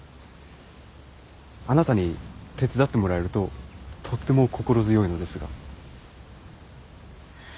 あなたに手伝ってもらえるととっても心強いのですが。